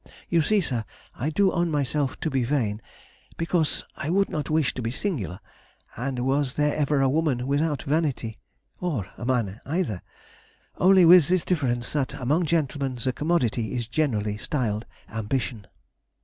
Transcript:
You see, sir, I do own myself to be vain, because I would not wish to be singular; and was there ever a woman without vanity? or a man either? only with this difference, that among gentlemen the commodity is generally styled ambition.